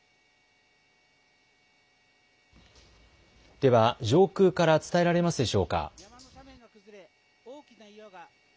では上空から伝えられますでしょうか。